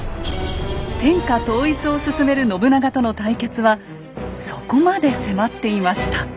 天下統一を進める信長との対決はそこまで迫っていました。